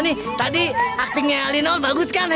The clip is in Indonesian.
nih tadi actingnya alinol bagus kan hebat kan